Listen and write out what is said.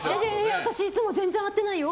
私、いつも全然合ってないよ。